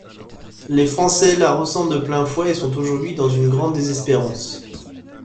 Les Français la ressentent de plein fouet et sont aujourd’hui dans une grande désespérance.